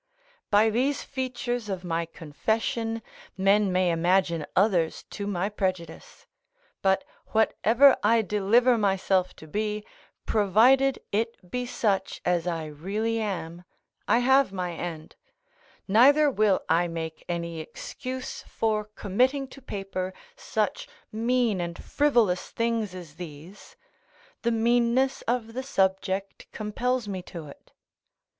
By these features of my confession men may imagine others to my prejudice: but whatever I deliver myself to be, provided it be such as I really am, I have my end; neither will I make any excuse for committing to paper such mean and frivolous things as these: the meanness of the subject compells me to it.